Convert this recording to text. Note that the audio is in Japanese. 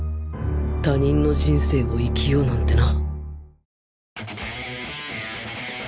他人の人生を生きようなんてな